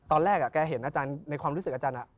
ตอนแรกแกเห็นอาจารย์ในความรู้สึกอาจารย์